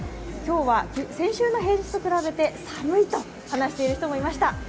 今日は先週の平日と比べて寒いと話している人もいました。